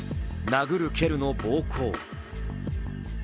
殴る蹴るの暴行。